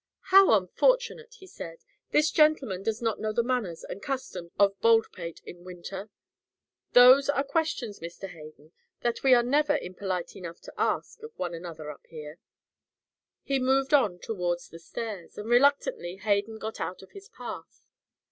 "How unfortunate," he said, "this gentleman does not know the manners and customs of Baldpate in winter. Those are questions, Mr. Hayden, that we are never impolite enough to ask of one another up here." He moved on toward the stairs, and reluctantly Hayden got out of his path.